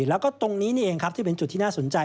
แล้วก็ตรงนี้นี่เองครับที่เป็นจุดที่น่าสนใจ